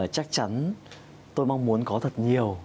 chắc chắn tôi mong muốn có thật nhiều